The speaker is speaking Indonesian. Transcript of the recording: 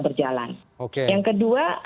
berjalan yang kedua